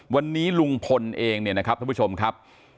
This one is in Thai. วันนี้ลุงพลเองเนี่ยนะครับท่านผู้ชมครับ